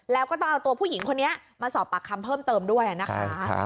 แล้วก็ต้องเอาตัวผู้หญิงคนนี้มาสอบปากคำเพิ่มเติมด้วยนะคะ